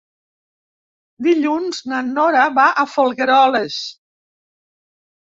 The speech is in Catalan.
Dilluns na Nora va a Folgueroles.